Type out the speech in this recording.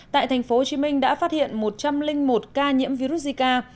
tại thành phố hồ chí minh đã phát hiện một trăm linh một ca nhiễm virus zika